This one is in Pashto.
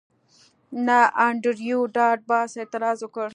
نه انډریو ډاټ باس اعتراض وکړ